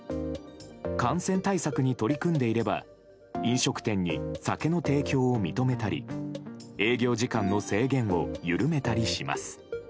感染対策に取り組んでいれば飲食店に酒の提供を認めたり営業時間の制限を緩めたりします。